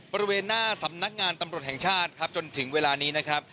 บริเวณหน้าสำนักงานตำรวจแห่งชาติครับจนถึงเวลานี้นะครับ